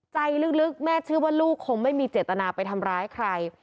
ใจลึกแม่เชื่อว่าลูกคงไม่มีเจตนาไปทำร้ายใคร